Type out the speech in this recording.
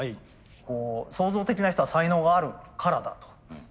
創造的な人は才能があるからだと。